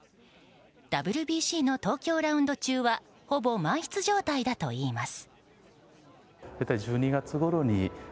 ＷＢＣの東京ラウンド中はほぼ満室状態だといいます。